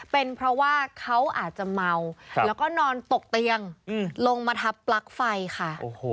เป็นเพราะว่าเขาอาจจะเมาแล้วก็นอนตกเตียงลงมาทับปลั๊กไฟค่ะ